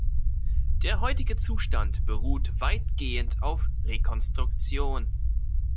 Der heutige Zustand beruht weitgehend auf Rekonstruktion.